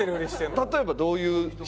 例えばどういう人？